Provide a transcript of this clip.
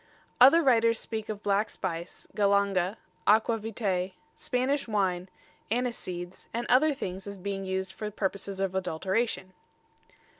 Other writers speak of black spice, galanga, aqua vitæ, Spanish wine, aniseeds and other things as being used for purposes of adulteration.